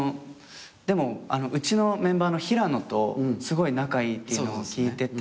でもうちのメンバーの平野とすごい仲いいっていうのを聞いてて。